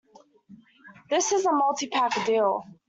This is a multi-pack deal.